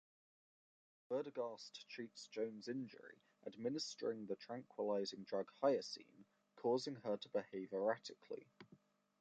Werdegast treats Joan's injury, administering the tranquilizing drug hyoscine, causing her to behave erratically.